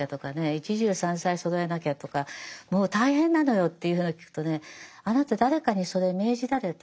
一汁三菜そろえなきゃとかもう大変なのよというふうなのを聞くとねあなた誰かにそれ命じられた？